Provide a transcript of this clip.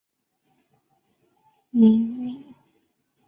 同位于墨尔本运动和娱乐区的雅拉公园则由分开营运。